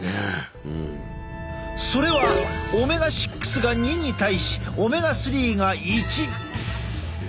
それはオメガ６が２に対しオメガ３が１。